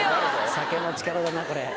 酒の力だなこれ。